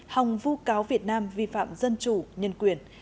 hòng vu cáo việt nam vi phạm dân chủ nhân quyền